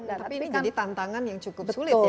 tapi ini jadi tantangan yang cukup sulit ya